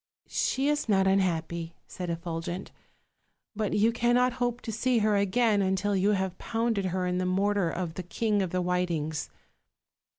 "She is not unhappy," said Effulgent, "but you can not hope to see her again until you have pounded her in the mortar of the King of the Whitings."